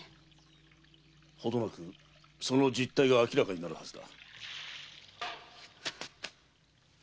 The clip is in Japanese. ほどなくその実体があきらかになるはずだ。